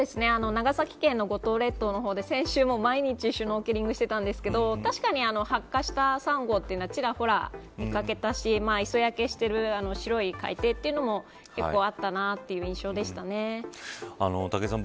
長崎県の五島列島の方で先週も毎日、シュノーケリングしてたんですけど確かに、白化したサンゴというのはちらほら見掛けたし磯焼けしている、白い海底というのが、結構あったな武井さん